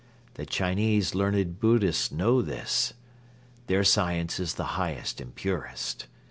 The Chinese learned Buddhists know this. Their science is the highest and purest.